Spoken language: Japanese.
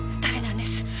誰なんです？